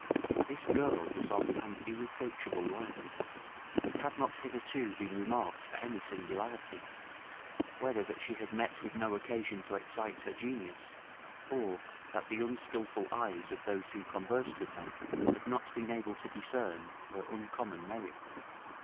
This girl was of an irreproachable life, and had not hitherto been remarked for any singularity; whether that she had met with no occasion to excite her genius, or that the unskilful eyes of those who conversed with her had not been able to discern her uncommon merit.